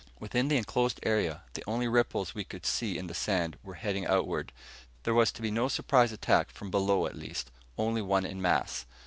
Within the enclosed area, the only ripples we could see in the sand were heading outward. There was to be no surprise attack from below, at least; only one in mass.